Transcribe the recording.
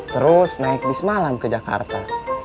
terus naik bismalam ke jakarta